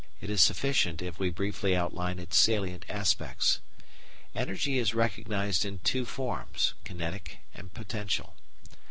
It is sufficient if we briefly outline its salient aspects. Energy is recognised in two forms, kinetic and potential.